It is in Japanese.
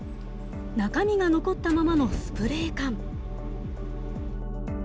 中身が残ったままのスプレー缶。